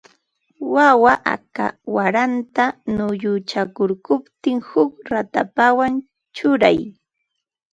Wawa aka waranta nuyuchakurquptin huk ratapawan churay